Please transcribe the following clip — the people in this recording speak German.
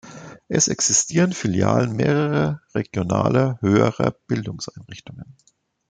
Es existieren Filialen mehrerer regionaler höherer Bildungseinrichtungen.